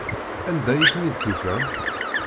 Anda ay ten-id-tufam?